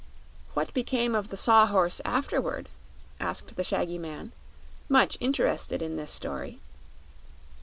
"What became of the Saw Horse, afterward?" asked the shaggy man, much interested in this story.